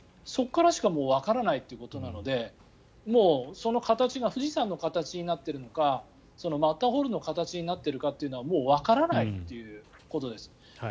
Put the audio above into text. そこからしかもうわからないということなのでもうその形が富士山の形になっているのかマッターホルンの形になっているのかはわからないということです。